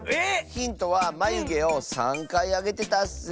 ⁉ヒントはまゆげを３かいあげてたッス。